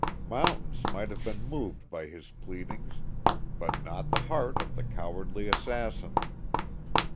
Mountains might have been moved by his pleadings, but not the heart of the cowardly assassin.